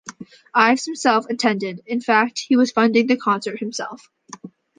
Ives himself attended - in fact, he was funding the concert himself.